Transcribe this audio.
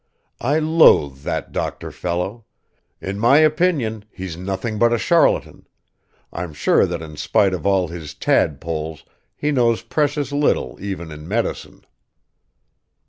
I loathe that doctor fellow; in my opinion he's nothing but a charlatan; I'm sure that in spite of all his tadpoles he knows precious little even in medicine."